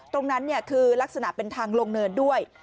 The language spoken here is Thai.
ตรงนั้นคือลักษณะเป็นทางลงเนินด้วย